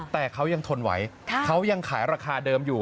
แต่เขายังทนไหวเขายังขายราคาเดิมอยู่